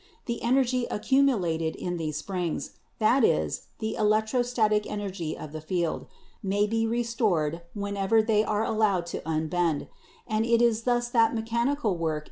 The energy accu mulated in these springs — that is, the electrostatic energy of the field — may be restored whenever they are allowed to unbend; and it is thus that mechanical work is produced Fig.